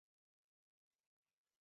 立达公园。